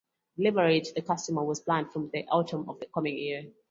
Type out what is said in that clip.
Delivery to the customers was planned from the autumn of this coming year.